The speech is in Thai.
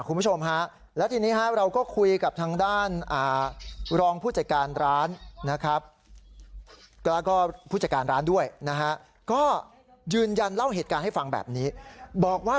คุณผู้ชมฮะแล้วทีนี้ฮะเราก็คุยกับทางด้านรองผู้จัดการร้านนะครับแล้วก็ผู้จัดการร้านด้วยนะฮะก็ยืนยันเล่าเหตุการณ์ให้ฟังแบบนี้บอกว่า